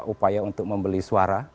upaya untuk membeli suara